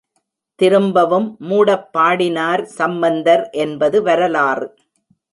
திரும்பவும் மூடப் பாடினார் சம்பந்தர் என்பது வரலாறு.